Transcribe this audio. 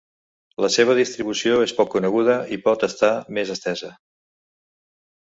La seva distribució és poc coneguda i pot estar més estesa.